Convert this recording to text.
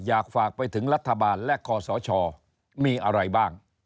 อยากฝากไปถึงรัฐบาลและคอสชมีอะไรบ้าง